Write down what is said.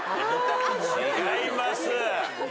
違います。